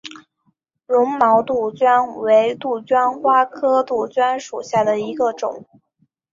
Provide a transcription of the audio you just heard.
绒毛杜鹃为杜鹃花科杜鹃属下的一个种。